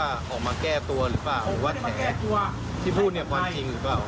ผมไม่ได้มาจัดฉาก